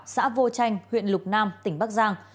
xã vô chanh huyện lục nam tỉnh bắc giang